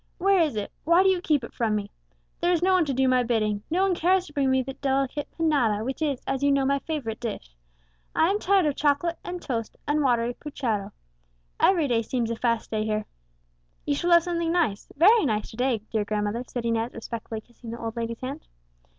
Where is it why do you keep it from me? There is no one to do my bidding, no one cares to bring me the delicate panada which is, as you know, my favourite dish. I am tired of chocolate, and toast, and watery puchero! Every day seems a fast day here!" "You shall have something nice, very nice, to day, dear grandmother," said Inez, respectfully kissing the old lady's hand.